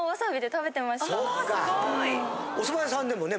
お蕎麦屋さんでもね